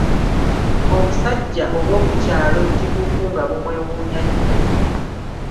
Obusajja obw'oku kyalo Tipupu nga bumwewuunya nnyo.